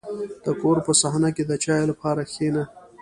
• د کور په صحنه کې د چایو لپاره کښېنه.